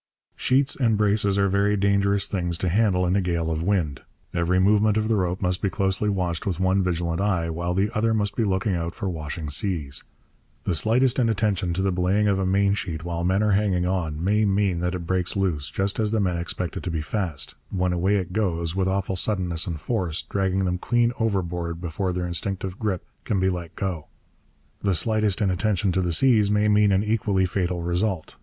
Sheets and braces are very dangerous things to handle in a gale of wind. Every movement of the rope must be closely watched with one vigilant eye, while the other must be looking out for washing seas. The slightest inattention to the belaying of a mainsheet while men are hanging on may mean that it breaks loose just as the men expect it to be fast, when away it goes, with awful suddenness and force, dragging them clean overboard before their instinctive grip can be let go. The slightest inattention to the seas may mean an equally fatal result.